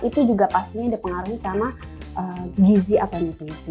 itu juga pastinya dipengaruhi sama gizi atau nutrisi